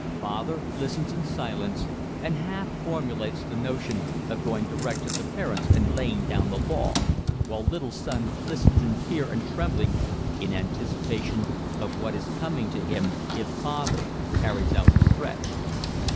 Father listens in silence and half formulates the notion of going direct to the parents and laying down the law, while little son listens in fear and trembling in anticipation of what is coming to him if father carries out his threat.